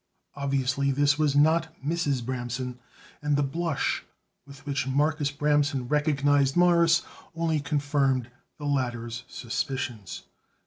Obviously this was not Mrs. Bramson, and the blush with which Marcus Bramson recognized Morris only confirmed the latter's suspicions.